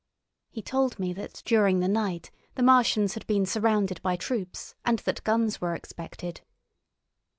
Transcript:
He told me that during the night the Martians had been surrounded by troops, and that guns were expected.